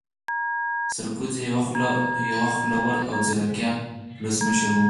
سرکوزی يو خوله ور او ځيرکا ولسمشر وو